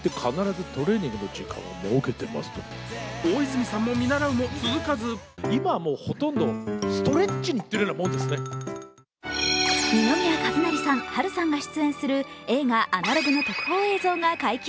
大泉さんも見習うも続かず二宮和也さん、波瑠さんが出演する映画「アナログ」の特報映像が解禁。